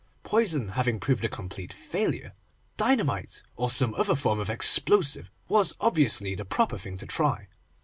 Poison having proved a complete failure, dynamite, or some other form of explosive, was obviously the proper thing to try.